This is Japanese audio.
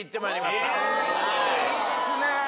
いいですね！